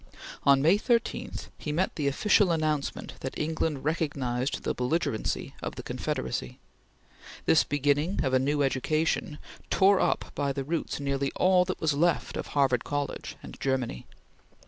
On May 13, he met the official announcement that England recognized the belligerency of the Confederacy. This beginning of a new education tore up by the roots nearly all that was left of Harvard College and Germany.